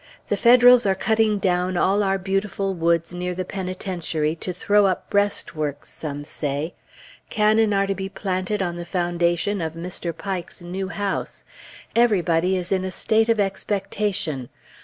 The Federals are cutting down all our beautiful woods near the Penitentiary, to throw up breastworks, some say. Cannon are to be planted on the foundation of Mr. Pike's new house; everybody is in a state of expectation.